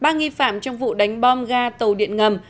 ba nghi phạm trong vụ đánh bom ga tàu điện ngầm